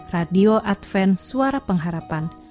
radio advent suara pengharapan